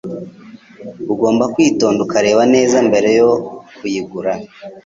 ugomba kwitonda ukareba neza mbere yo kuyigura.